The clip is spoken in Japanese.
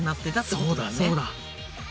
そうだそうだ。